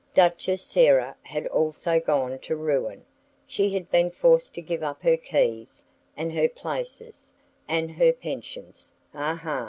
Duchess Sarah had also gone to ruin; she had been forced to give up her keys, and her places, and her pensions: "Ah, ah!"